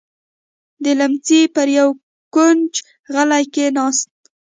د ليمڅي پر يوه کونج غلې کېناسته.